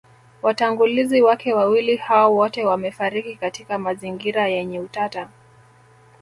Watangulizi wake wawili hao wote wamefariki katika mazingira yenye utata